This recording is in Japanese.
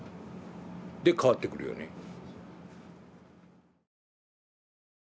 で変わってくるよね。